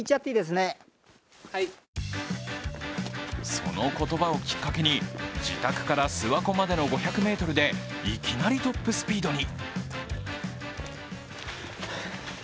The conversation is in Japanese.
その言葉をきっかけに、自宅から諏訪湖までの５００ｍでいきなりトップスピードに。